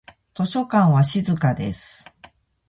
図書館は静かです。